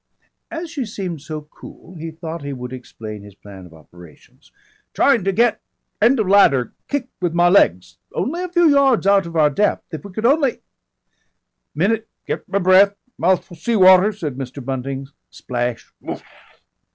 As she seemed so cool he thought he would explain his plan of operations, "Trying to get end of ladder kick with my legs. Only a few yards out of our depth if we could only " "Minute get my breath moufu' sea water," said Mr. Bunting. _Splash!